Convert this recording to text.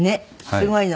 すごいの。